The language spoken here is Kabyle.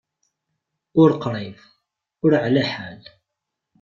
Ur qṛib, ur ɛla ḥal!